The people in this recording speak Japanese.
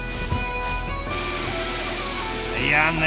いやね